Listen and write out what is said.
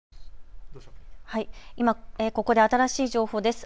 ここで新しい情報です。